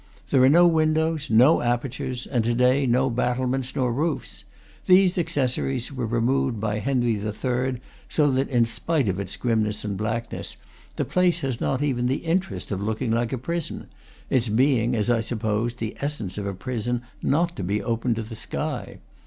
There are no windows, no apertures, and to day no battlements nor roofs. These accessories were removed by Henry III., so that, in spite of its grimness and blackness, the place has not even the interest of look ing like a prison; it being, as I supposed, the essence of a prison not to be open to the sky.